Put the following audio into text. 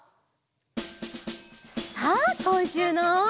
さあこんしゅうの。